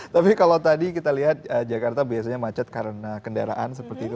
tapi kalau tadi kita lihat jakarta biasanya macet karena kendaraan seperti itu